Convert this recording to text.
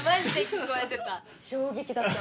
衝撃だった。